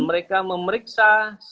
mereka mencari air keras